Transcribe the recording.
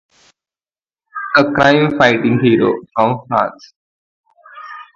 A crimefighting hero from France.